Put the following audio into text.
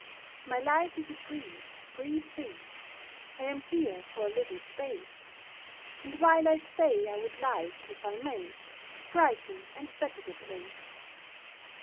My life is a brief, brief thing, I am here for a little space, And while I stay I would like, if I may, To brighten and better the place.